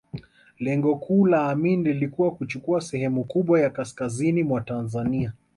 Lengo kuu la Amin lilikuwa kuchukua sehemu kubwa ya kaskazini mwa Tanzania